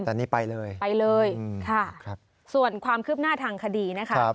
แต่นี่ไปเลยครับครับส่วนความคืบหน้าทางคดีนะคะครับ